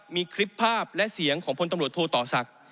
มีคลิปภาพและเสียงของพลตำรวจโทต่อศักดิ์